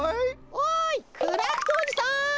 おいクラフトおじさん！